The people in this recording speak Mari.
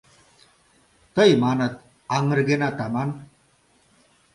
Тый, маныт, аҥыргенат, аман!